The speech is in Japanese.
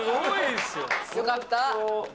よかった。